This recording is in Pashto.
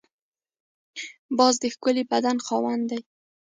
باز د ښکلي بدن خاوند دی